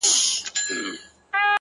نور چي په شپېلۍ کي نوم په خوله مه راوړه-